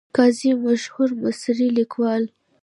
قاضي د مشهور مصري لیکوال .